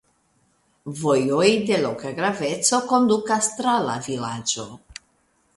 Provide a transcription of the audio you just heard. Vojoj de loka graveco kondukas tra la vilaĝo.